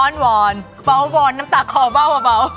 อ้อนหวอนเปล่าหวอนน้ำตากคอเบ้า